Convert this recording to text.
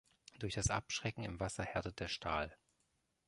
Durch das Abschrecken im Wasser härtet der Stahl.